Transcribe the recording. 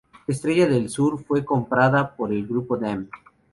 Estrella del Sur fue comprada por el grupo Damm.